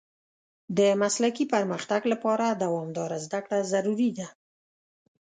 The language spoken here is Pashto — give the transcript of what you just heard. د مسلکي پرمختګ لپاره دوامداره زده کړه ضروري ده.